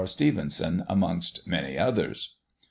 Stephenson, amongst many others.